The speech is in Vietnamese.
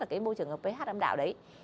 để ngập ph âm đạo đấy